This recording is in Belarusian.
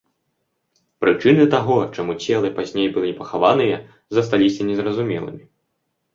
Прычыны таго, чаму целы пазней былі пахаваныя, засталіся незразумелымі.